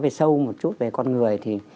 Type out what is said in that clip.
về sâu một chút về con người